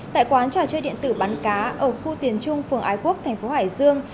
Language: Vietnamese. tại quán trà chơi điện tử bán cá ở khu tiền trung phường ái quốc thành phố hải dương